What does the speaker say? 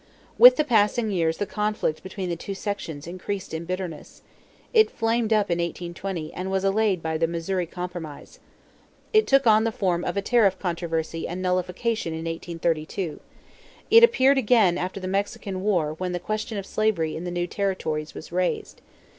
With the passing years the conflict between the two sections increased in bitterness. It flamed up in 1820 and was allayed by the Missouri compromise. It took on the form of a tariff controversy and nullification in 1832. It appeared again after the Mexican war when the question of slavery in the new territories was raised.